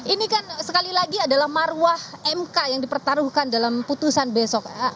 ini kan sekali lagi adalah marwah mk yang dipertaruhkan dalam putusan besok